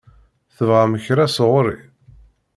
Tebɣam kra sɣur-i?